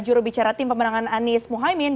jurubicara tim pemenangan anies muhaymin